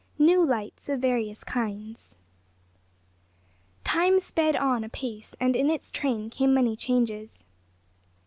NEW LIGHTS OF VARIOUS KINDS. Time sped on apace, and in its train came many changes.